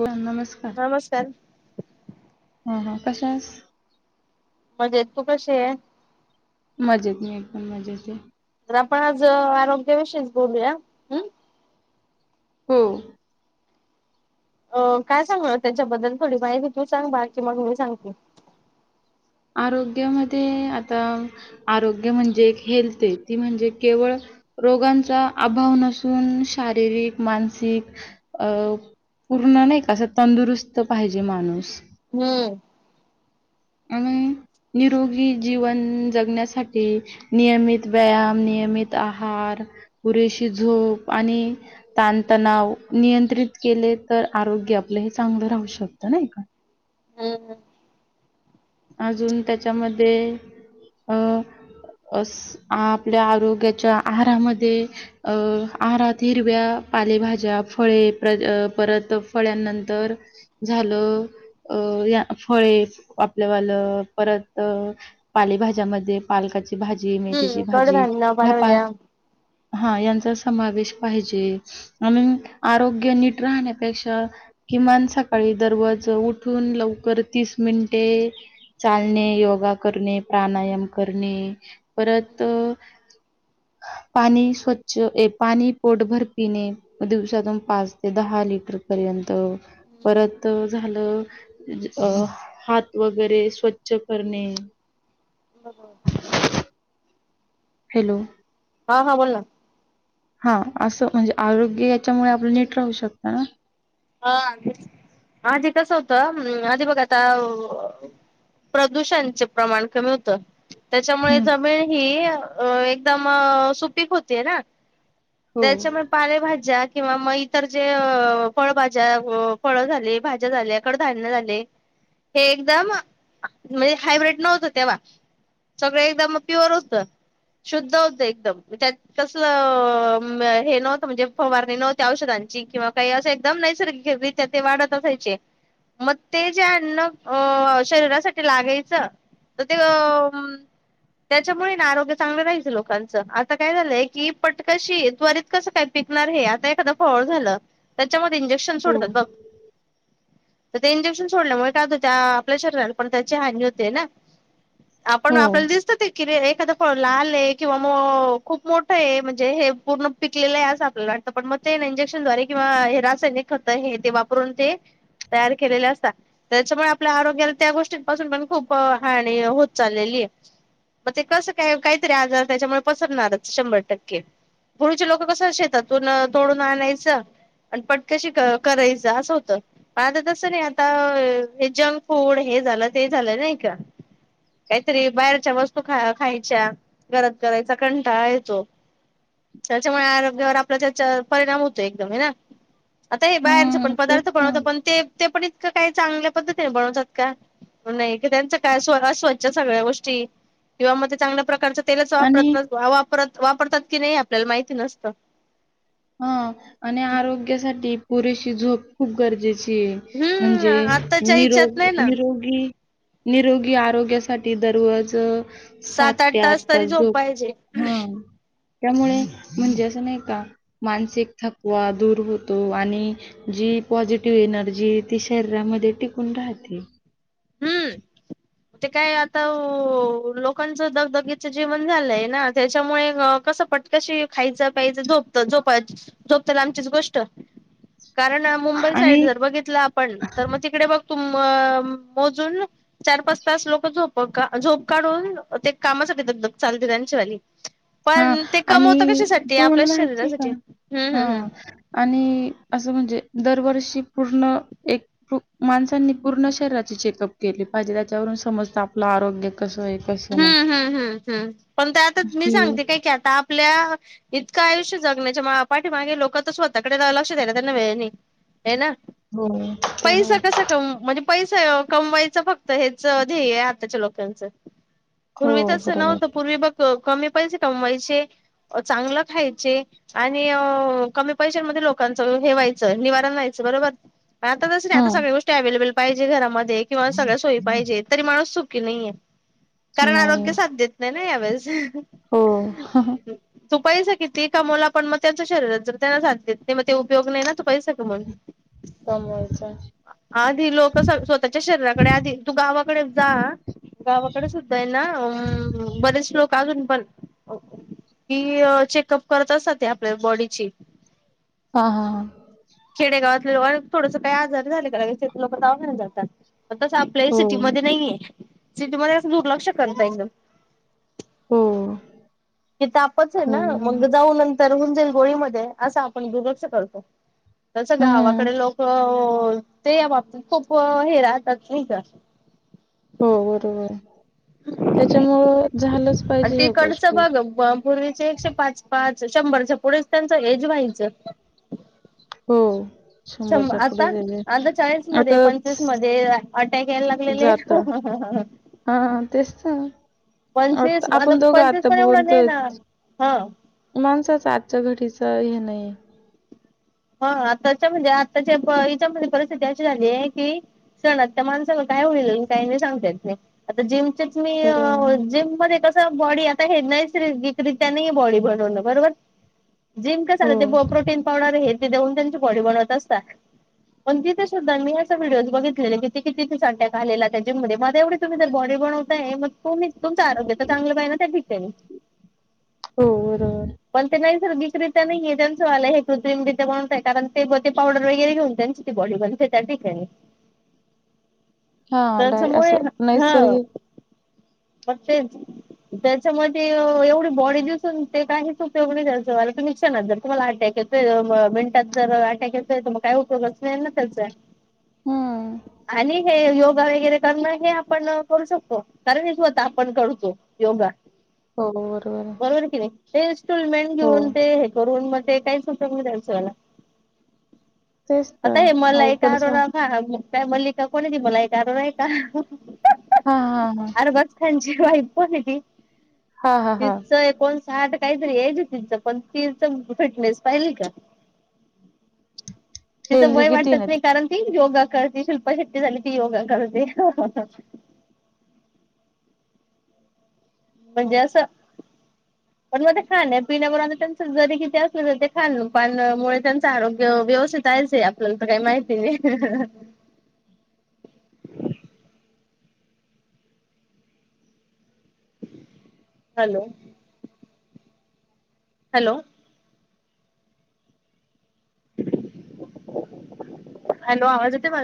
हो नमस्कार नमस्कार हा हा कशायस मजेत तू कशी ये? मजेत मी पण मजेत ये. तर आपण आज अ आरोग्याविषयीच बोलूया हूं हो. अ काय सांगणार त्याच्याबद्दल थोडी माहिती तू सांग बाकी मग मी सांगते. आरोग्यामध्ये आता आरोग्य म्हणजे एक हेल्थ ये, ती म्हणजे केवळ रोगांचा अभाव नसून शारीरिक मानसिक अ पूर्ण नाहीका असं तंदुरुस्त पाहिजे माणूस हम्म आणि निरोगी जीवन जगण्यासाठी नियमित व्यायाम नियमित आहार पुरेशी झोप आणि ताणतणाव नियंत्रित केले तर आरो की आपलं हे चांगलं राहू शकत नाही का? हम् हं अजून त्याच्यामध्ये अं अस आपल्या आरोग्याच्या आहारामध्ये अं आहारात हिरव्या पालेभाज्या फळे प्र परत फळ्यांनंतर झालं अ अ या फळे आपल्या वालं परत पालेभाज्यामध्ये पालकाची भाजी हम्म मेथीची भाजी कडधान्य ह्या पाय पालेभाज्या हा यांचा समावेश पाहिजे आणि आरोग्य नीट राहण्यापेक्षा किमान सकाळी दरवज उठून लवकर तीस मिनिटे चालणे, योगा करणे, प्राणायाम करणे. परत अ पाणी स्वच्छ ये पाणी पोटभर पिणे म दिवसातून पाच ते दहा लिटर पर्यंत परत झाल अ हात वगैरे स्वच्छ करणे. बरोबर. हॅलो हा हा बोल ना हा असं म्हणजे आरोग्य याच्यामुळे आपलं नीट राहू शकता ना. हा तेच आधी कसं होतं आधी बघ आता अ प्रदूषणच प्रमाण कमी होतं. त्याच्यामुळे हं, जमीन ही एकदम अ सुपीक होतीय ना. हो, त्याच्यामुळे पालेभाज्या किंवा मग इतर जे अ फळभाज्या अ फळ झाले भाज्या झाल्या अ कड धान्य झाले हे एकदम,,, म्हणजे हायब्र्रीड नव्हतं तेव्हा. सगळे एकदम, प्युअर होत. शुद्ध होत एकदम, त्यात कसलं... हे नव्हतं म्हणजे फवारणी नव्हती औषधाची. जी किंवा काही असं एकदम नैसर्गिकरित्या ते वाढत असायचे. मग ते जे अन्न अ... शरीरासाठी लागायचं तर ते अ... म. त्याच्यामुळे ना आरोग्य चांगलं राहायच. लोकांचं आता काय झालंय की, पटकशी त्वरित कसं काय पीक िक आता एखाद फळ झालं. त्याच्यामध्ये इंजेक्शन सोडतात हो. बग तर ते इंजेक्शन सोडल्यामुळे काय होत त्या आपल्या शरीराला पण त्याची हानी होते ना आपण हो. आपल्याला दिसत ते कि एखादा फळ लाल आहे किंवा म खूप मोठं आहे म्हणजे हे पूर्ण पिकलेलं आहे असं आपल्याला वाटतं पण म ते इंजेक्शन द्वारे किंवा हे रासायनिक खत हे ते वापरून ते. तयार केलेले असतात त्याच्यामुळे आपल्या आरोग्याला त्या गोष्टींपासून पण खूप हानी होत चाललेली तेच मग ते कस काय काहीतरी आजार त्याच्यामुळ पसरणारच शंभर टक्के. पूर्वीचे लोक कसं शेतातून तोडून आणायचं. आणि पट कशी करायचं असं होतं पण आता तसं नाही आता हे जंक फूड हेच झालं ते झालंय नाही का. काहीतरी बाहेरच्या वस्तू ख खायच्या घरात करायचा कंटाळा येतो. त्याच्यामुळे आरोग्यावर आपल्या त्याच्या परिणाम होतो एकदम हे ना. आता हे बाहेरच पण हं, तेच पदार्थ बनवत तर. पण ते ते पण इतकं काही चांगल्या पद्धतीने बनवतात का, नाही कि, त्यांचं काय स्व स्वच्छ सगळ्या गोष्टी किंवा मग ते चांगल्या प्रकारच तेलाच आणि वापरत वापरत वापरतात की, नाही आपल्याला माहिती नसत. हा आणि आरोग्यासाठी पुरेशी झोप खूप गरजेची ते हम्म म्हणजे आत्ताच्या निरोग हिच्यात नाही ना निरोगी. निरोगी आरोग्यासाठी दररोज. सात ते आठ तास झोप त्यामुळे म्हणजे असं नाही का, मानसिक थकवा दूर होतो, आणि जी पॉझिटिव्ह एनर्जी ती शरीरा मध्ये मध्ये टिकून राहते. हम. ते काय आता व लोकांचं दगदगीचं जीवन झालंय ना त्याच्यामुळे अ कसं पटकशी खायचं प्यायचं झोपत झोपाय झोपत लामचीच गोष्ट. कारण मुंबई साईड आणि जर बघितलं आपण तर मग तिकडे बघ तु म मोजून चार, पाच तास लोक झोपका झोप काढून ते कामासाठी दगधग चालते त्यांची. झाली. हा आणि तुम्हाला माहिती आहे का? शरीरासाठी हम्म हम्म हा आणि आ असं म्हणजे. दरवर्षी पूर्ण एक हू माणसांनी पूर्ण शरीराचे चेकअप केले पाहिजे त्याच्यावरून समजत आपलं आरोग्य. कसं आहे, कसं हम नाही. हम हम हम पण ते आता मी ही सांगते काय की, आता आपल्या इथं काय आयुष्य जगण्याच्या मागे पाठी मागे लोक आता स्वताकडे लक्ष द्यायला त्यांना वेळ नाही. हे ना. हो, ते आहे. पैसा कसा कम म्हणजे. पैसा हे कमवायचं फक्त हेच ध्येय आहे, आताच्या लोकांचं. हो, पूर्वी तच बरोबर. नव्हतं पूर्वी बघ क कमी पैसे कमवायचे चांगलं खायचे आणि अ कमी पैशांमध्ये लोकांचं हे व्हायचं निवारण व्हायचं बरोबर. आता तसं नाही आता हं. सगळ्या गोष्टी अवेलेबल पाहिजे घरामध्ये किंवा सगळ्या सोयी पाहिजे तरी माणूस सुखी नाहीय कारण आरोग्य सात देत नाही ना यावेेळेस. होअ ह अ ह. तु पैसा कितीही कमावला पण म त्याच शरीरात जर त्यांना साध देत नाही म ते उपयोग नाही ना पैसा कमावला कमवायचं. [inaudible] आधी लोक स्वतःच्या शरीराकडे आधी तू गावाकडे जा गावाकडे सुद्धा सुद्धा आहे ना बरेच लोक अजून पण की चेकअप करतात असतात ते आपल्या बॉडीची हा हा खेडेगावातली लोक आणि थोडसं काही आजारी झालेली का लगेच ते लोक दवाखान्यात जातात तस आपल्याही हो, सिटीमध्ये नाहीये सिटीमध्येध्ये कसं दुर्लक्ष करता एकदम हो. कि तापच आहे ना खरं मग जाऊन नंतर होऊन जाईल गोळी मध्ये अस आपण दुर्लक्ष करतो तसं हं. गावाकडे लोक हो. ते या बाबतीत खूप हे राहतात नाय का हो बरोबर त्याच्यामुळं झालंच पाहिजे ह्या तिकडच गोष्टी. बघ पूर्वीचे एकशे पाच पाच शंभरच्या पुढेच त्यांचं एज व्हायचं हो शंभर आता. पुढे गेले. आता चाळीस आता मध्ये पंचवीस मध्ये अटॅक यायला लागलेले जात आहेत हम हम [inaudible] हा तेच त आता पंचवीस आपण दोघं पंचवीस आता पण एवढं नाही बोलतोय ना हा माणसाच आजच्या घडीचा घडीचा हे नाही हा आताच्या म्हणजे आताच्या हेच्या मध्ये परिस्थिती अशी झाली आहे की क्षणात त्या माणसांला काय होईल आणि काय नाही सांगता येत नाही आता जिमची जिमचीचं खरं आहे मी जिम मध्ये कसा बॉडी आता हे नाहीच रे त्याने ह बॉडी बनवण बरोबर जिम कस हो ते प्रोटीन पावडर आहे त देऊन त्यांची बॉडी बनवत असतात पण तिथे सुद्धा मी असं व्हिडिओज बघितले क ति किती संंट्या आलेला त्याच्यामध्ये मला एवढ तुही जर बॉडी मग तुम्ही तुमच आरोग्य तर चांगलं पाहि ना ते ठिकाणी हो बरोबर नैर्गिकरित्या नाही त्यांचवालय हे कृतिम णतय कारण ते ते पावडर वगैरे घेऊन त्यांची ती बॉडी बच्या ठिकाणी हा डाय त्याच्यामुळे असं हा नैसर्गिक फक्तेच त्याच्यामध्ये एवढी बॉडी दिसून ते काहीच उपयोग नाही त्याला तुम्ही क्षणात जर तुम्हाला अटॅक हा मिनटात जर अटकच तर मग काय उपयोगच नाही ना त्याच आहे हम्म आणि हे योगा वगैरे करणं हे आपण करू शकतो कारण हेच होत आपण करतो योगा हो आहे बरोबर कि नाही ते इन्स्टॉलमेंट हो घेऊन ते हे करून मग ते काही सु जायचं मला तेच तर आता हे मला एक अवघडच आहे कारणा काय मल्लिका कोणी बोलाय का नाही आहे का हा हा हा अर बस सँड पण कोण आहे हा हा ती हा सहाट काहीतरी यायच तिचं पण तिच फिटनेस पाहिल का त्याच हेल्दी वय किती वाटत ना नाही कारण ती योग करते शिल्प शिट्टी सझाल त योग करळते हा म्हणजे असं पण मग ते खा पिण्याब त्यांच जरी किती असलं तरी ते खाान पामुळे त्यांचं आरोग्य व्यवस्थित कायच आपल्याला तर काही माहिती नाही हॅलो हॅलो हॅलो आवाज येतोय माझा